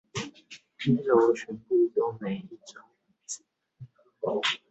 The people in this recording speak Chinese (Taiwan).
一樓全部都沒一張椅子